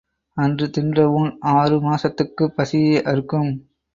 அன்று தின்ற ஊண் ஆறு மாசத்துக்குப் பசியை அறுக்கும்.